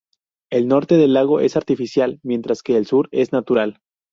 El norte del lago es artificial, mientras que el sur es natural.